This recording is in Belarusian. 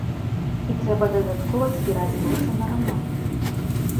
І трэба дадаткова збіраць грошы на рамонт.